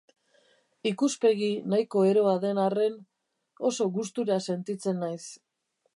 Ikuspegi nahiko eroa den arren, oso gustura sentitzen naiz.